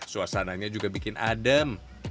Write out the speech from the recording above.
suasananya juga bikin adem